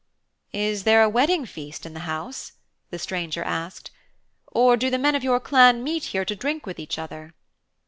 'Is there a wedding feast in the house?' the stranger asked, 'or do the men of your clan meet here to drink with each other?'